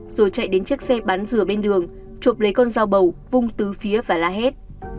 rồi chạy đến chiếc xe bán rửa bên đường chụp lấy con dao bầu vung từ phía và la hét